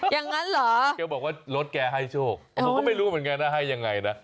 อย่างนั้นเหรอแกบอกว่ารถแกให้โชคผมก็ไม่รู้เหมือนกันนะให้ยังไงนะ